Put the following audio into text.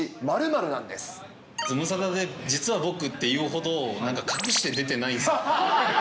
○なんズムサタで、実は僕って言うほど、なんか隠して出てないです。